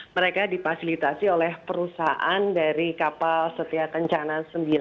mereka dipasilitasi oleh perusahaan dari km satya kencana sembilan